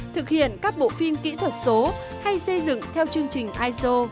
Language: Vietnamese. thực hiện các bộ phim kỹ thuật số hay xây dựng theo chương trình iso